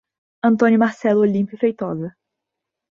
Antônio Marcelo Olimpio Feitosa